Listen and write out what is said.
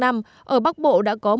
ở bắc bộ đã có mưa rãnh áp thấp